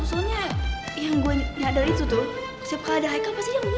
soalnya yang gue nyadari itu tuh setiap kali ada haikal pasti dia mau nyundar